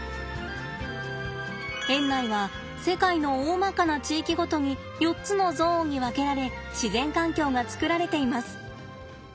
園内は世界の大まかな地域ごとに４つのゾーンに分けられ自然環境が作られています。